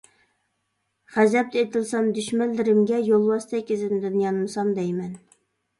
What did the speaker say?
غەزەپتە ئېتىلسام دۈشمەنلىرىمگە، يولۋاستەك ئىزىمدىن يانمىسام دەيمەن.